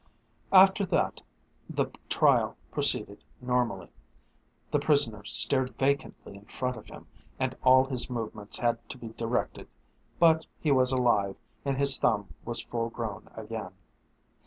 After that the trial proceeded normally. The prisoner stared vacantly in front of him and all his movements had to be directed. But he was alive and his thumb was full grown again.